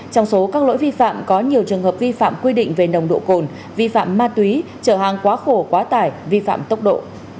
trong số các lỗi vi phạm có nhiều trường hợp vi phạm quy định về nồng độ cồn vi phạm ma túy trở hàng quá khổ quá tải vi phạm tốc độ